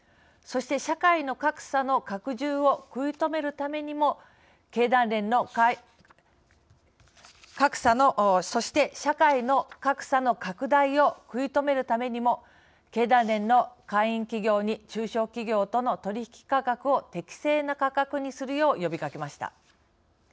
そして、社会の格差の拡充を食い止めるためにも格差のそして社会の格差の拡大を食い止めるためにも経団連の会員企業に中小企業との取引価格を適正な価格にするよう呼びかけました。